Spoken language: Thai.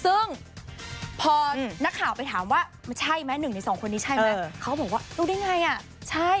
ซึ่งพอนักข่าวไปถามว่าใช่มั้ย๑ใน๒คนนี้ใช่มั้ยเขาบอกว่าอูนี่ไงอะใช่